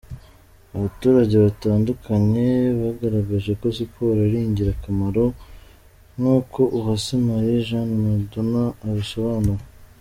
Abaturage batandukanye bagaragaje ko siporo ari ingira akamaro; nkuko Uwase Marie Jeanne Madona abisobanura.